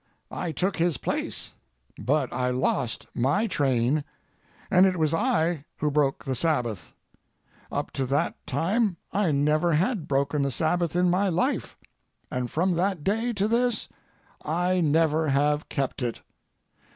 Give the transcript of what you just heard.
I took his place, but I lost my train, and it was I who broke the Sabbath. Up to that time I never had broken the Sabbath in my life, and from that day to this I never have kept it.